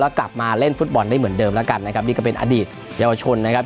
กลับมาเล่นฟุตบอลได้เหมือนเดิมแล้วกันนะครับนี่ก็เป็นอดีตเยาวชนนะครับ